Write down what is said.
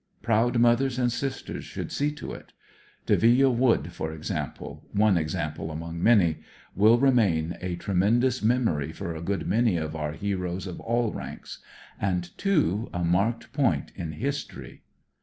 Proud mothers and sisters should see to it. Delville Wood, for example — one example among many — will remain a tremendous memory for a good many of our heroes of all ranks; and, too, a marked point in history.